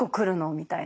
みたいな。